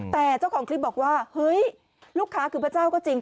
แต่เจ้าของคลิปบอกว่าเฮ้ยลูกค้าคือพระเจ้าก็จริง